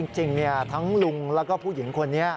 จริงทั้งลุงแล้วก็ผู้หญิงคนนี้